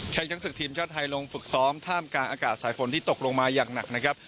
ยังศึกทีมชาติไทยลงฝึกซ้อมท่ามกลางอากาศสายฝนที่ตกลงมาอย่างหนักนะครับ